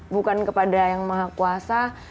bukan kepada yang maha kuasa